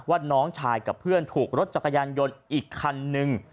ว่าน้องชายกับเพื่อนถูกรถจักรยานยนต์อีกคันนึง